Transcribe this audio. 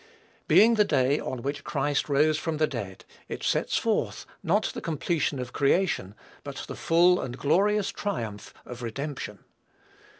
Being the day on which Christ rose from the dead, it sets forth not the completion of creation, but the full and glorious triumph of redemption.